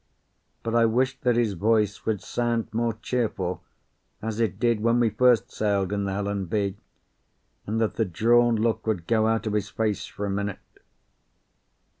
But I wished that his voice would sound more cheerful, as it did when we first sailed in the Helen B., and that the drawn look would go out of his face for a minute.